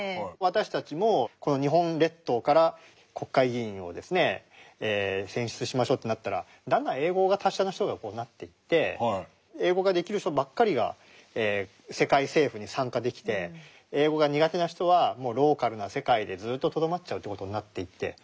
私たちもこの日本列島から国会議員をですね選出しましょうってなったらだんだん英語が達者な人がなっていって英語ができる人ばっかりが世界政府に参加できて英語が苦手な人はもうローカルな世界でずっととどまっちゃうという事になっていって。